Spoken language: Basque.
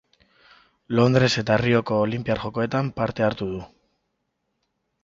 Londres eta Rioko Olinpiar Jokoetan parte hartu du.